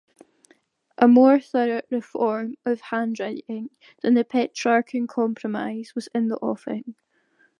A more thorough reform of handwriting than the Petrarchan compromise was in the offing.